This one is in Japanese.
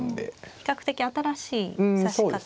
比較的新しい指し方ですね。